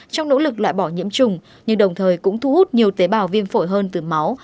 trong nỗ lực loại bỏ nhiễm trùng nhưng đồng thời cũng thu hút nhiều tế bào viêm phổi hơn từ máu